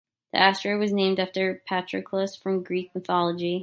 The asteroid was named after Patroclus from Greek mythology.